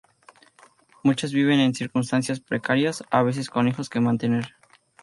Muchas viven en circunstancias precarias, a veces con hijos que mantener.